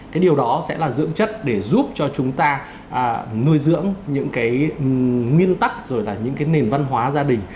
cái điều đó sẽ là dưỡng chất để giúp cho chúng ta nuôi dưỡng những cái nguyên tắc rồi là những cái nền văn hóa gia đình